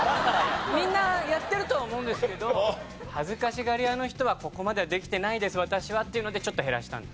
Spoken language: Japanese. みんなやってるとは思うんですけど恥ずかしがり屋の人は「ここまではできてないです私は」っていうのでちょっと減らしたんです。